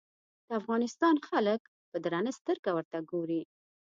د افغانستان خلک په درنه سترګه ورته ګوري.